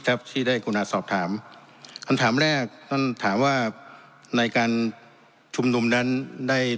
ที่ได้กรุณาสอบถามคำถามแรกท่านถามว่าในการชุมนุมนั้นได้